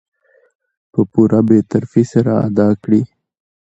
په پوره بې طرفي سره ادا کړي .